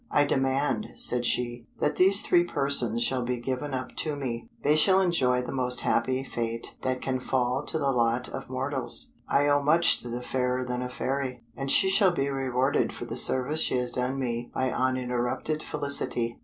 "I demand," said she, "that these three persons shall be given up to me; they shall enjoy the most happy fate that can fall to the lot of mortals. I owe much to Fairer than a Fairy, and she shall be rewarded for the service she has done me by uninterrupted felicity.